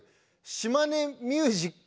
島根ミュージック。